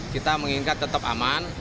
kita mengingat tetap aman